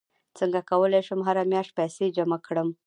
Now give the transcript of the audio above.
څنګه کولی شم هره میاشت پیسې جمع کړم